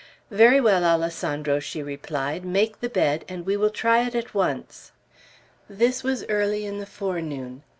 "Very well, Alessandro," she replied; "make the bed, and we will try it at once." This was early in the forenoon.